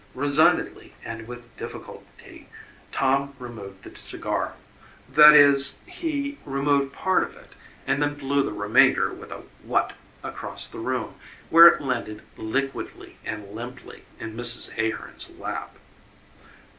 Resignedly and with difficulty Tom removed the cigar that is, he removed part of it, and then blew the remainder with a WHUT sound across the room, where it landed liquidly and limply in Mrs. Ahearn's lap.